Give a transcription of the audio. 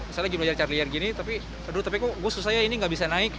misalnya lagi belajar charlian gini tapi aduh tapi kok gue susah ya ini gak bisa naik